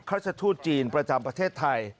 ครัศจุดจีนประจำประเทศไทย